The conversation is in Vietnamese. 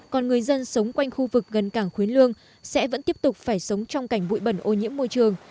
còn người dân sống quanh khu vực gần cảng khuyến lương sẽ vẫn tiếp tục phải sống trong cảnh bụi bẩn ô nhiễm môi trường